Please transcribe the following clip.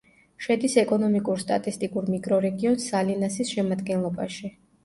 შედის ეკონომიკურ-სტატისტიკურ მიკრორეგიონ სალინასის შემადგენლობაში.